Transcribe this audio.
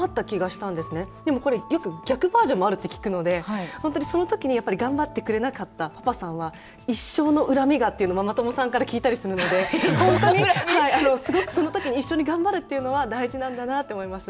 でもこれよく逆バージョンもあるって聞くので本当にその時にやっぱり頑張ってくれなかったパパさんは「一生の恨みが」っていうのママ友さんから聞いたりするので本当にすごくその時に一緒に頑張るっていうのは大事なんだなあって思います。